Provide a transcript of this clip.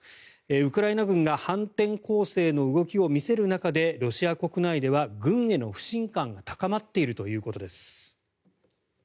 ウクライナ軍が反転攻勢の動きを見せる中でロシア国内では軍への不信感が高まっているということです。